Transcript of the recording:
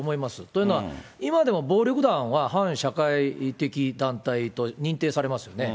というのは、今でも暴力団は反社会的団体と認定されますよね。